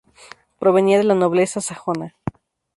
Provenía de la nobleza sajona.